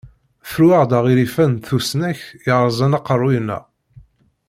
Fru-aɣ-d aɣilif-a n tusnakt yerẓan aqerruy-nneɣ.